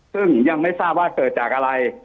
ซึ่งยังไม่ทราบว่าเกิดจากอะไร